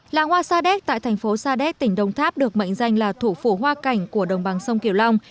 làng hoa sa đéc tại thành phố sa đéc tỉnh đông tháp được mệnh danh là thủ phủ hoa cảnh của đồng bằng sông kiều long